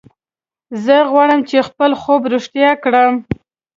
زه غواړم چې خپل خوب رښتیا کړم